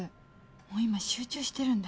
もう今集中してるんで。